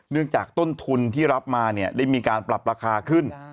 จากต้นทุนที่รับมาเนี่ยได้มีการปรับราคาขึ้น